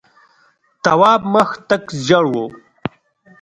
تواب مخ تک ژېړ و.